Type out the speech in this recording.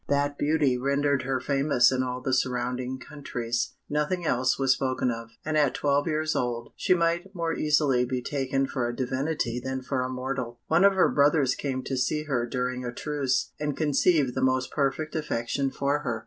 That beauty rendered her famous in all the surrounding countries; nothing else was spoken of, and at twelve years old she might more easily be taken for a divinity than for a mortal. One of her brothers came to see her during a truce, and conceived the most perfect affection for her.